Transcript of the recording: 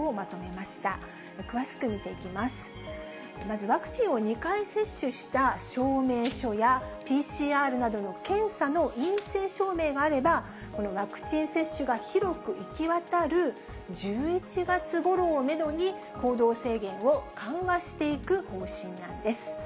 まず、ワクチンを２回接種した証明書や、ＰＣＲなどの検査の陰性証明があれば、このワクチン接種が広く行き渡る１１月ごろをメドに、行動制限を緩和していく方針なんです。